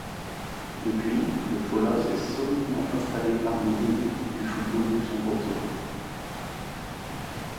Depuis, le Fola s'est solidement installé parmi l'élite du football luxembourgeois.